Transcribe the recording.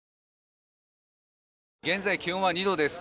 現在、気温は２度です。